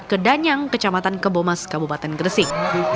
kedanyang kecamatan kebomas kabupaten gresik